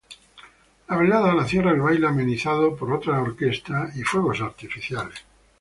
La velada la cierra el baile amenizado por otra orquesta y fuegos artificiales.